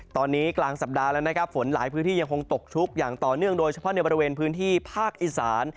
ตอนนี้กลางสัปดาห์แล้วนะครับฝนหลายพื้นที่ยังคงตกชุกอย่างต่อเนื่องโดยเฉพาะในบริเวณพื้นที่ภาคอีสาน